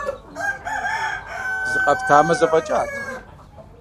Зыкъэптамэ, зэфӀэкӀат.